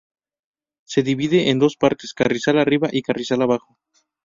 Se divide en dos partes: Carrizal arriba y Carrizal abajo.